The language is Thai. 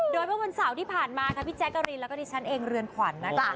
โดยเมื่อวันเสาร์ที่ผ่านมาค่ะพี่แจ๊กกะรีนแล้วก็ดิฉันเองเรือนขวัญนะคะ